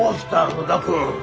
野田君。